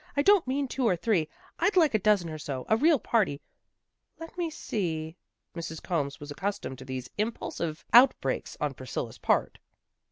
I don't mean two or three; I'd like a dozen or so, a real party "" Let me see." Mrs. Combs was accustomed to these impulsive outbreaks on Priscilla' s part.